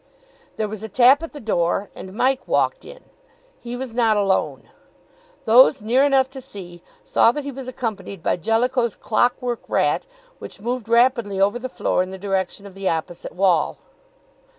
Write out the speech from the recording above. There was a tap at the door and Mike walked in. He was not alone. Those near enough to see, saw that he was accompanied by Jellicoe's clock work rat, which moved rapidly over the floor in the direction of the opposite wall.